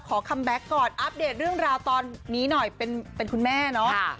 คัมแบ็คก่อนอัปเดตเรื่องราวตอนนี้หน่อยเป็นคุณแม่เนาะ